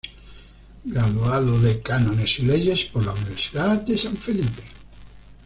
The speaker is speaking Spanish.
Graduado de Cánones y Leyes por la Universidad de San Felipe.